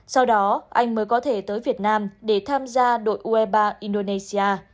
sau đó anh mới có thể tới việt nam để tham gia đội ue ba indonesia